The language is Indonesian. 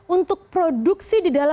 untuk produksi di dalam